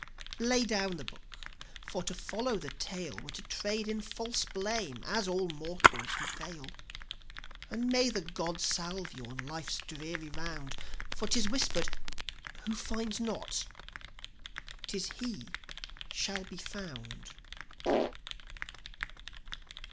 Lay down the book, for to follow the tale Were to trade in false blame, as all mortals who fail. And may the gods salve you on life's dreary round; For 'tis whispered: "Who finds not, 'tis he shall be found!"